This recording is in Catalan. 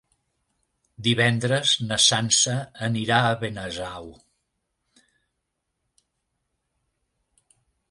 Divendres na Sança anirà a Benasau.